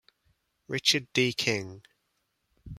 Richard D. King.